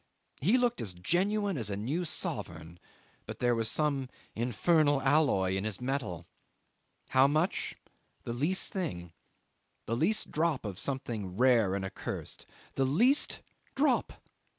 He looked as genuine as a new sovereign, but there was some infernal alloy in his metal. How much? The least thing the least drop of something rare and accursed; the least drop!